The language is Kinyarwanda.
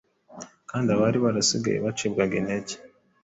kandi abari barasigaye bacibwaga intege